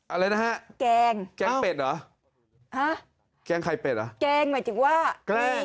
อะไรนะฮะแกงแกงเป็ดเหรอฮะแกงไข่เป็ดเหรอแกงหมายถึงว่าแกง